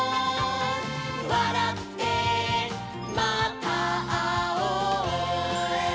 「わらってまたあおう」